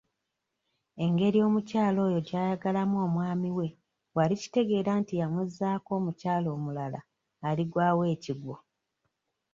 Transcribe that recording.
Engeri omukyala oyo gy'ayagalamu omwami we bw'alikitegeera nti yamuzzaako omukyala omulala aligwawo ekigwo.